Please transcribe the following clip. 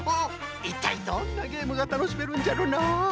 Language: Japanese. いったいどんなゲームがたのしめるんじゃろな。